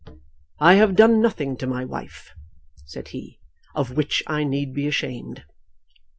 "I have done nothing to my wife," said he, "of which I need be ashamed.